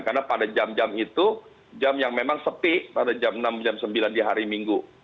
karena pada jam jam itu jam yang memang sepi pada jam enam jam sembilan di hari minggu